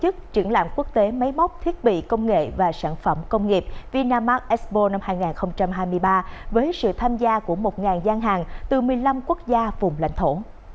tổ chức triển lãm quốc tế máy móc thiết bị công nghệ và sản phẩm công nghiệp vinamark expo năm hai nghìn hai mươi ba với sự tham gia của một gian hàng từ một mươi năm quốc gia vùng lãnh thổ